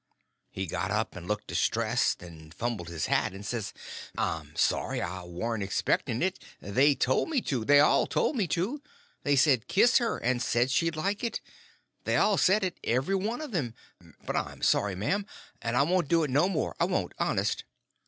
He got up and looked distressed, and fumbled his hat, and says: "I'm sorry, and I warn't expecting it. They told me to. They all told me to. They all said, kiss her; and said she'd like it. They all said it—every one of them. But I'm sorry, m'am, and I won't do it no more—I won't, honest."